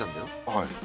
はい。